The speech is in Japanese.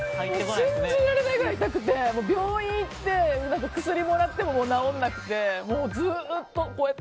信じられないぐらい痛くて病院行って薬をもらっても治らなくてずっとこうやって。